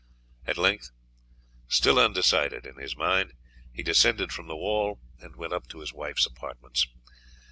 At length, still undecided in his mind, he descended from the wall and went up to his wife's apartments.